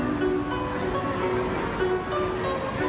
ไม่ต้องขอโทษนะครับแม่งผมช่วยด้วย